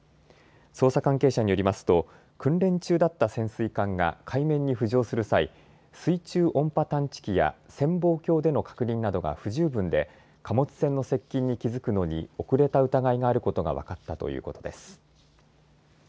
捜査関係者によりますと訓練中だった潜水艦が海面に浮上する際、水中音波探知機や潜望鏡での確認などが不十分で貨物船の接近に気付くのに遅れた疑いがあることが分かったということです。